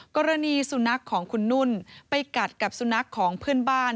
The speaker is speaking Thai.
กรณีสุนัขของคุณนุ่นไปกัดกับสุนัขของเพื่อนบ้าน